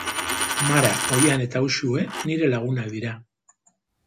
Mara, Oihan eta Uxue nire lagunak dira